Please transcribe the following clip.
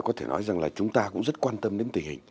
có thể nói rằng là chúng ta cũng rất quan tâm đến tình hình